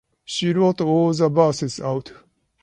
She wrote all the verses out.